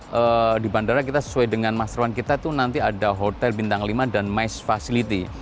ya di bandara kita sesuai dengan master plan kita itu nanti ada hotel bintang lima dan maze facility